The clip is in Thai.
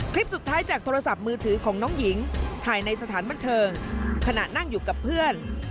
คลิปสุดท้ายจากโทรศัพท์มือถือของน้องหญิงถ่ายในสถานบันเทิงขณะนั่งอยู่กับเพื่อน